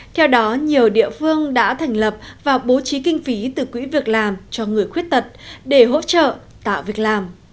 theo đó nhiều địa phương đã thành lập và bố trí kinh phí từ quỹ việc làm cho người khuyết tật để hỗ trợ tạo việc làm